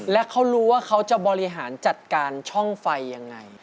และเขารู้ว่าเขาจะบริหารจัดการช่องไฟยังไง